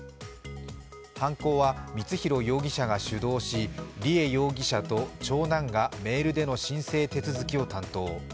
犯行は光弘容疑者が主導し、梨恵容疑者と長男がメールでの申請手続を担当。